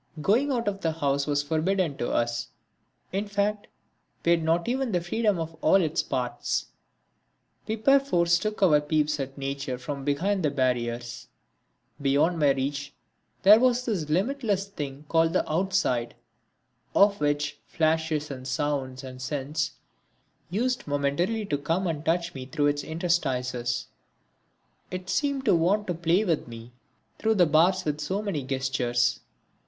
Going out of the house was forbidden to us, in fact we had not even the freedom of all its parts. We perforce took our peeps at nature from behind the barriers. Beyond my reach there was this limitless thing called the Outside, of which flashes and sounds and scents used momentarily to come and touch me through its interstices. It seemed to want to play with me through the bars with so many gestures.